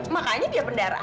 makanya dia benda raha